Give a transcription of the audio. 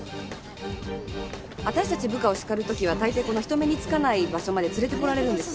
私たち部下を叱る時はたいていこの人目につかない場所まで連れてこられるんです。